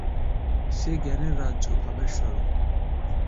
সে জ্ঞানের রাজ্য, ভাবের স্বর্গ।